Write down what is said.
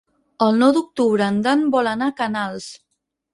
El nou d'octubre en Dan vol anar a Canals.